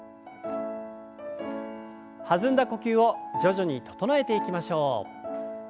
弾んだ呼吸を徐々に整えていきましょう。